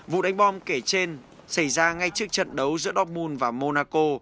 vụ đánh bom kể trên xảy ra ngay trước trận đấu giữa dobul và monaco